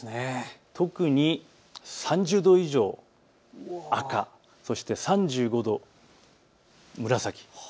特に３０度以上、赤、そして３５度以上、紫。